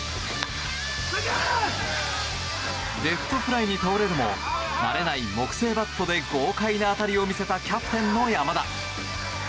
レフトフライに倒れるも慣れない木製バットで豪快な当たりを見せたキャプテンの山田。